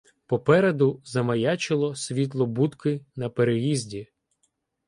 Попереду замаячіло світло будки на переїзді.